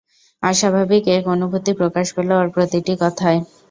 অস্বাভাবিক এক অনুভূতি প্রকাশ পেল ওর প্রতিটি কথায়।